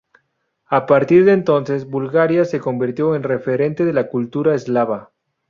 A partir de entonces, Bulgaria se convirtió en referente de la cultura eslava.